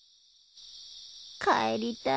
帰りたい。